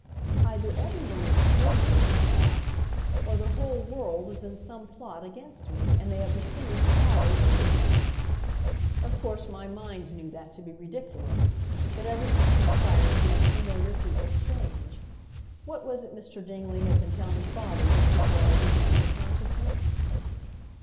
"Either every one is crazy," I thought, "or the whole world is in some plot against me, and they have deceived father, too." Of course my mind knew that to be ridiculous, but everything conspired to make familiar people strange. What was it Mr. Dingley had been telling father just before I returned to consciousness?